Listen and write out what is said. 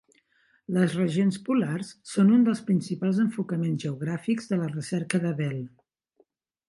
Les regions polars són un dels principals enfocaments geogràfics de la recerca de Bell.